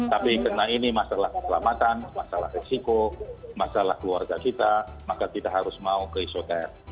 tapi karena ini masalah keselamatan masalah resiko masalah keluarga kita maka kita harus mau ke isoter